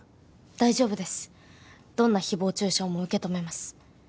大丈夫ですどんな誹謗中傷も受け止めます